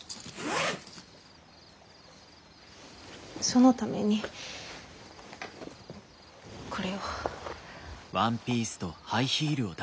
そのためにこれを。